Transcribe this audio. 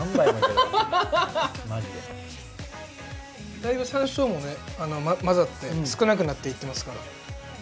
だいぶさんしょうも混ざって、少なくなっていっていますから。